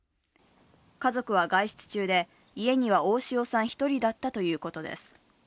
家族は外出中で、家には大塩さん１人だったということです